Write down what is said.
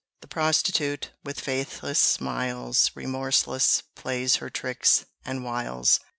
The prostitute, with faithless smiles, Remorseless plays her tricks and wiles.